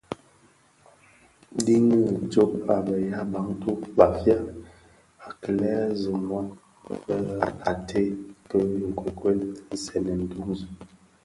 Diňi tsôg a be yaa Bantu (Bafia) a kilè zonoy bèè ated bi nkokuel nsènèn duňzi,